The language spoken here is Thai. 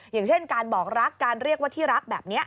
อย่างเช่นการบอกรักการเรียกว่าที่รักแบบนี้